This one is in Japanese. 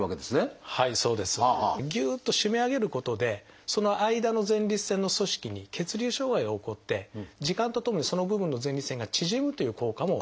はいそうです。ギュッと締め上げることでその間の前立腺の組織に血流障害が起こって時間とともにその部分の前立腺が縮むという効果もあります。